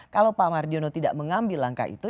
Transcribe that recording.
kalau pak mardiono tidak mengambil langkah itu